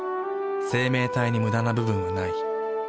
生命体にムダな部分はない。